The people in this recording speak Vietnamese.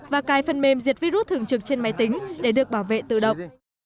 và cài phần mềm diệt virus thường trực trên máy tính để được bảo vệ tự động